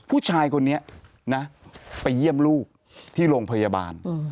ผู้ชายคนนี้นะไปเยี่ยมลูกที่โรงพยาบาล